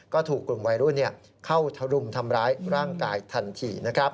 ก็ถูกกลุ่มวัยรุ่นเข้ารุมทำร้ายร่างกายทันที